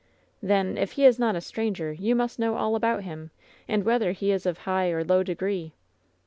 "Then, if he is not a stranger, you must know all about him, and whether he is of high or low degree."